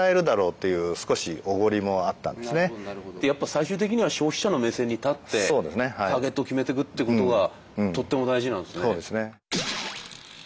最終的には消費者の目線に立ってターゲットを決めてくっていうことがとっても大事なんですね。